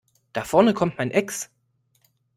Da vorne kommt mein Ex.